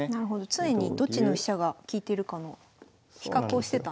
常にどっちの飛車が利いてるかの比較をしてたんですね。